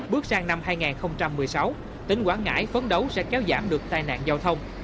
bước sang năm hai nghìn một mươi sáu tỉnh quảng ngãi phấn đấu sẽ kéo giảm được tai nạn giao thông